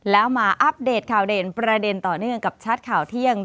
แล้วมาอัปเดตข่าวเด่นประเด็นต่อเนื่องกับชัดข่าวเที่ยง